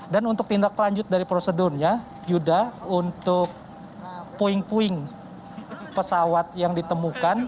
untuk tindak lanjut dari prosedurnya yuda untuk puing puing pesawat yang ditemukan